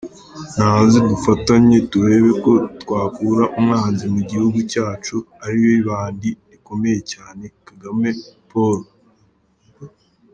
Naze ndufatanye ,turebeko twakuraumwanzi mugihungucyacu ariwe ibandi rikomeyecyane kagame poul